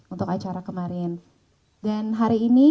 untuk acara kemarin dan hari ini